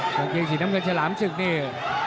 เปิดเกมสีน้ำเงินฉลามซึกนี่